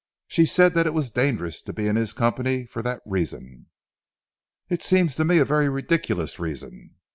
She said that it was dangerous to be in his company for that reason." "It seems to me a very ridiculous reason."